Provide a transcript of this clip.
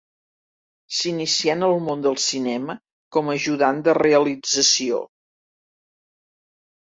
S'inicià en el món del cinema com a ajudant de realització.